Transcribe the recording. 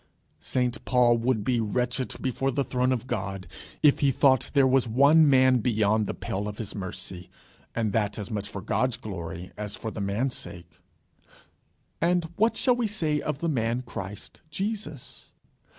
St Paul would be wretched before the throne of God, if he thought there was one man beyond the pale of his mercy, and that as much for God's glory as for the man's sake. And what shall we say of the man Christ Jesus?